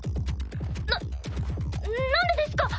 ななんでですか？